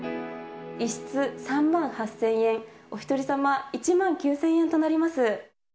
１室３万８０００円、お１人様１万９０００円となります。